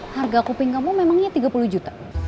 harga kuping kamu memangnya tiga puluh juta